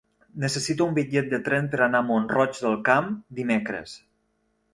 Necessito un bitllet de tren per anar a Mont-roig del Camp dimecres.